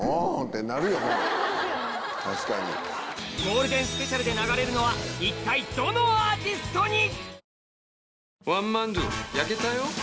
ゴールデンスペシャルで流れるのは一体どのアーティストに？